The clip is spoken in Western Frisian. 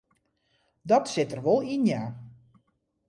Dat sit der wol yn ja.